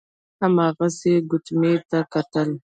هماغسې يې ګوتميو ته کتل.